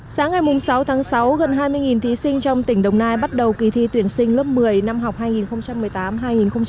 sáng ngày sáu tháng sáu gần hai mươi thí sinh trong tỉnh đồng nai bắt đầu kỳ thi tuyển sinh lớp một mươi năm học hai nghìn một mươi tám hai nghìn hai mươi